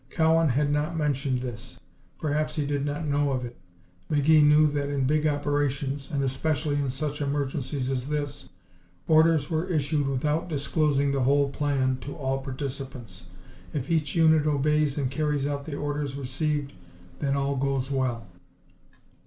Cowan had not mentioned this. Perhaps he did not know of it. McGee knew that in big operations, and especially in such emergencies as this, orders were issued without disclosing the whole plan to all participants. If each unit obeys and carries out the orders received, then all goes well.